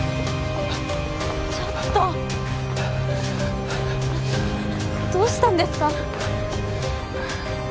ちょっとどうしたんですか？